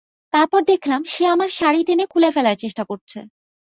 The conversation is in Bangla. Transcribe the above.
তারপর দেখলাম, সে আমার শাড়ি টেনে খুলে ফেলার চেষ্টা করছে।